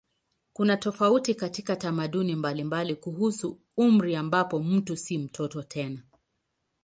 Kuna tofauti katika tamaduni mbalimbali kuhusu umri ambapo mtu si mtoto tena.